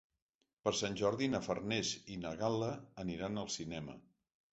Per Sant Jordi na Farners i na Gal·la aniran al cinema.